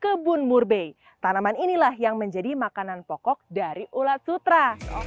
dan ini adalah tanaman murbei tanaman inilah yang menjadi makanan pokok dari ulat sutra